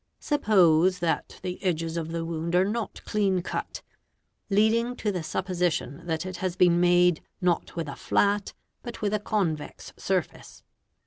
Suppose that the edges of the wound are not clean cut, leading to the supposition that it has been made, not with a flat, but with a convex surface.